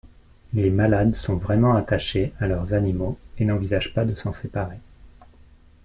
Les malades sont vraiment attachés à leurs animaux et n'envisagent pas de s'en séparer.